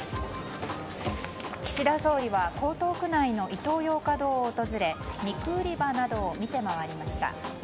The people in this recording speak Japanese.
岸田総理は江東区内のイトーヨーカドーを訪れ肉売り場などを見て回りました。